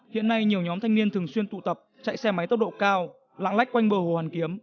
hiện nay nhiều nhóm thanh niên thường xuyên tụ tập chạy xe máy tốc độ cao lạng lách quanh bờ hồ hoàn kiếm